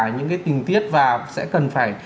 những cái tình tiết và sẽ cần phải